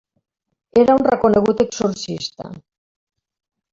Era un reconegut exorcista.